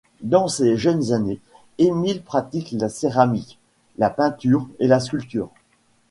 Dans ses jeunes années Émile pratique la céramique, la peinture et la sculpture.